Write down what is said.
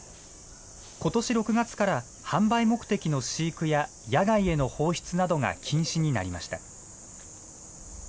ことし６月から販売目的の飼育や野外への放出などが禁止になりました。